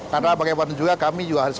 karena bagaimana juga kami juga harus